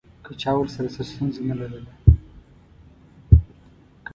که چا ورسره څه ستونزه نه لرله.